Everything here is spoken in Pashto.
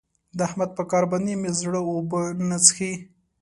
د احمد په کار باندې مې زړه اوبه نه څښي.